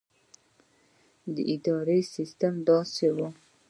د ادارې سسټم داسې وو.